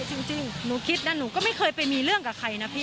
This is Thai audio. จริงหนูคิดนะหนูก็ไม่เคยไปมีเรื่องกับใครนะพี่